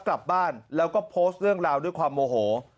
กลับบ้านแล้วก็โพสต์เรื่องราวด้วยความโมโห